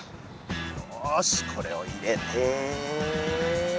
よしこれを入れてよし。